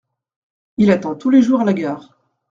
Il attend tous les jours à la gare.